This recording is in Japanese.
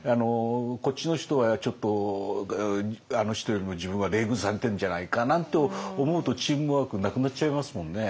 こっちの人はちょっとあの人よりも自分は冷遇されてるんじゃないかなんて思うとチームワークなくなっちゃいますもんね。